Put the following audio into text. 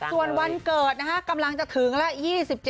ส่วนวันเกิดนะฮะกำลังจะถึงแล้ว